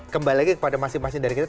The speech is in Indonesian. kembali lagi kepada masing masing dari kita